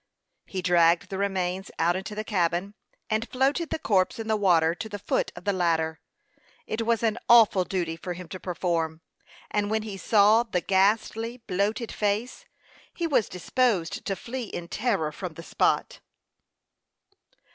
He dragged the remains out into the cabin, and floated the corpse in the water to the foot of the ladder. It was an awful duty for him to perform; and when he saw the ghastly, bloated face, he was disposed to flee in terror from the spot.